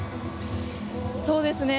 そうですね。